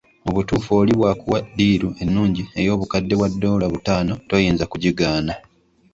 Mu butuufu oli bw'akuwa ddiiru ennungi ey'obukadde bwa ddoola butaano toyinza kugigaana.